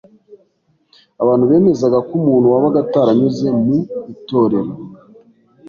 Abantu bemezaga ko umuntu wabaga ataranyuze mu Itorero